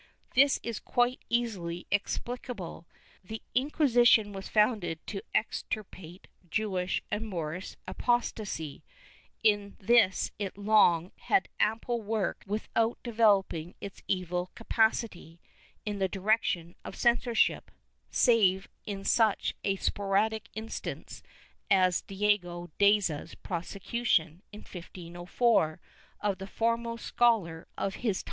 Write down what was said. This is quite easily explicable. The Inquisition was founded to extirpate Jewish and Moorish apostasy; in this it long had ample work without developing its evil capacity in the direction of censorship, save in such a sporadic instance as ^ Juan de Valera, Del Influjo de la Inquisicion (Disertaciones, p. 108).